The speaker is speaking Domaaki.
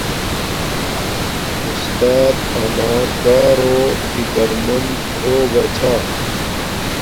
اُستات اما کارو فکر مند ہوگا چھا